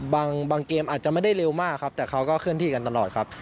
บางเกมอาจจะไม่ได้เร็วมากครับแต่เขาก็เคลื่อนที่กันตลอดครับ